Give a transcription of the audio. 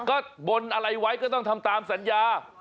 ก็บนอะไรไว้ก็ต้องทำตามสัญญา